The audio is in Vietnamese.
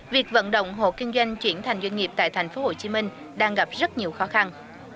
việc vận động hộ kinh doanh chuyển thành doanh nghiệp tại tp hcm đang gặp rất nhiều khó khăn